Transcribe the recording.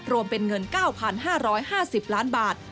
รวมเป็นเงิน๙๕๕๐ล้านบาท